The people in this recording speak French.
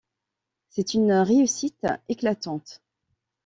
C'est une réussite éclatante.